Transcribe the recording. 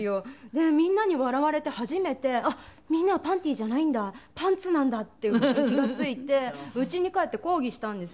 でみんなに笑われて初めてみんなはパンティーじゃないんだパンツなんだって気が付いてうちに帰って抗議したんですよ。